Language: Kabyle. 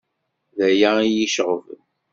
D aya iyi-iceɣben.